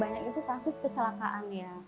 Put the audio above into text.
banyak itu kasus kecelakaan ya